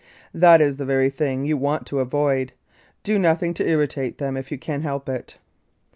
That is the very thing you want to avoid. Do nothing to irritate them if you can help it.